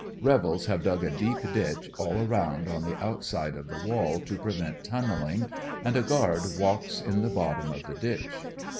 Rebels have dug a deep ditch all around on the outside of the wall to prevent tunneling, and a guard walks in the bottom of the ditch.